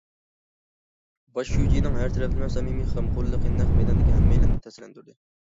باش شۇجىنىڭ ھەر تەرەپلىمە سەمىمىي غەمخورلۇقى نەق مەيداندىكى ھەممەيلەننى تەسىرلەندۈردى.